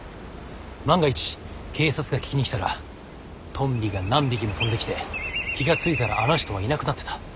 万が一警察が聞きに来たら「トンビが何匹も飛んできて気が付いたらあの人はいなくなってた」